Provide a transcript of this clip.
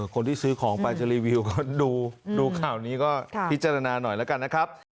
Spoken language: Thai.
คนที่ซื้อของไปจะรีวิวก็ดูข่าวนี้ก็พิจารณาหน่อยแล้วกันนะครับ